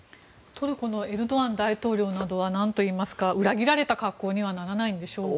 トルコのエルドアン大統領などは裏切られた格好にはならないんでしょうか。